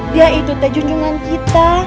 dia itu itu junjungan kita